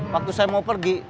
waktu saya mau pergi